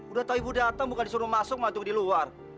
udah tahu ibu datang bukan disuruh masuk di luar